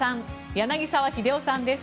柳澤秀夫さんです。